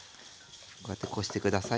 こうやってこして下さい。